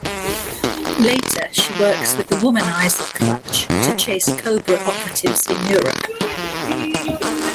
Later, she works with the womanizer Clutch to chase Cobra operatives in Europe.